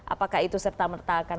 apakah itu serta merta akan